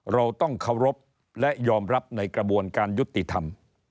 เราต้องเคารพและยอมรับในกระบวนการยุติธรรม